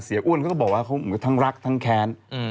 เสียอ้วนเขาก็บอกว่าทั้งรักทั้งแค้น